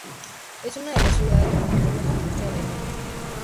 Es una de las ciudades más antiguas del Norte de Alemania.